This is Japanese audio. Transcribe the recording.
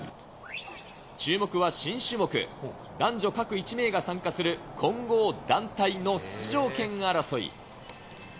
注目は新種目、男女各１名が参加する混合団体の出場権争い。